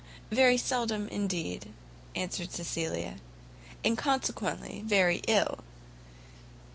"Very seldom, indeed," answered Cecilia, "and consequently very ill."